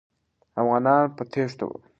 افغانان په تېښته وو.